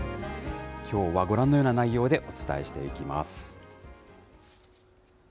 きょうはご覧のような内容でお伝えしていきます。